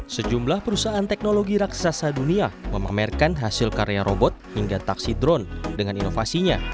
sejumlah perusahaan teknologi raksasa dunia memamerkan hasil karya robot hingga taksi drone dengan inovasinya